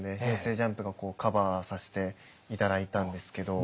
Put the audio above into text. ＪＵＭＰがカバーさせて頂いたんですけど。